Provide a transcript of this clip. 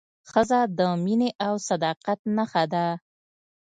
ښځه د مینې او صداقت نښه ده.